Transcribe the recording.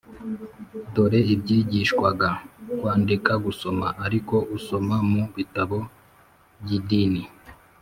dore ibyigishwaga: kwandika, gusoma (ariko usoma mu bitabo by'idini),